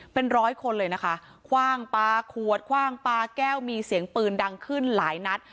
เป็นร้อยคนเลยนะคะคว่างปลาขวดคว่างปลาแก้วมีเสียงปืนดังขึ้นหลายนัด